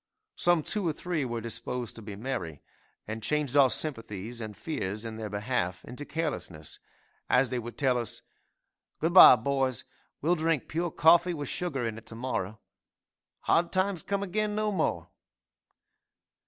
Some two or three were disposed to be merry, and changed our sympathies and fears in their behalf into carelessness, as they would tell us, "Good bye, boys, we'll drink pure coffee with sugar in it to morrow! 'hard times come again no more!'"